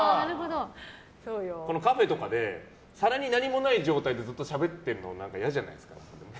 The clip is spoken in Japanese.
カフェとかで皿に何もない状態でずっとしゃべってるの何か嫌じゃないですか。